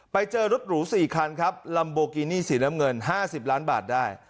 ไปเจอรถหรู๔คันครับลัมโบกินี่สีน้ำเงิน๕๐ล้านบาทได้